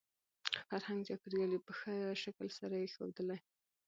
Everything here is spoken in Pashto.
فرهنګ ،چاپېريال يې په ښه شکل سره يې ښودلى .